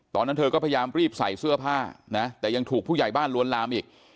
ตอนนั้นเธอก็พยายามรีบใส่เสื้อผ้านะแต่ยังถูกผู้ใหญ่บ้านล้วนลามอีก